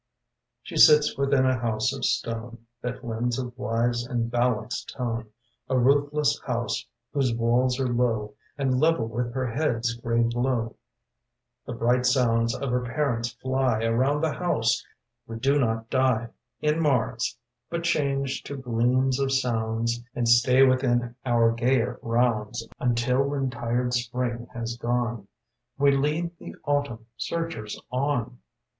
She sits within a house of stone That lends a wise and balanced tone: A roofless house whose walls are low And level with her head's grey glow. The bright sounds of her parents fly Around the house — we do not die In Mars, but change to gleams of sounds And stay within our gayer rounds Until when tired Spring has gone We lead the Autumn searchers on.